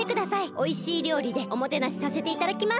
おいしいりょうりでおもてなしさせていただきます。